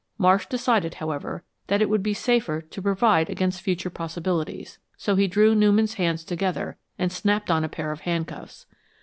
Marsh decided, however, that it would be safer to provide against future possibilities, so he drew Newman's hands together and snapped on a pair of handcuffs.